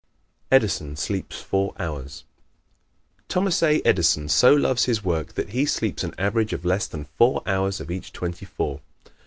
Edison Sleeps Four Hours ¶ Thomas A. Edison so loves his work that he sleeps an average of less than four hours of each twenty four.